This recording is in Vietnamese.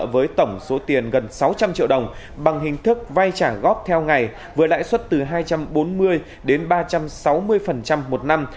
với tổng số tiền gần sáu trăm linh triệu đồng bằng hình thức vay trả góp theo ngày với lãi suất từ hai trăm bốn mươi đến ba trăm sáu mươi một năm